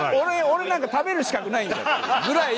俺なんか食べる資格ないんだっていうぐらいもう。